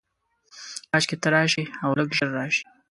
کاشکي ته راشې، اولږ ژر راشې